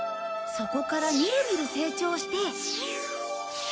そこからみるみる成長して。